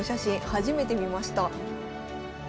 初めて見ました。